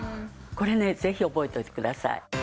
これねぜひ覚えておいてください。